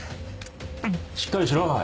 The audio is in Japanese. しっかりしろおい。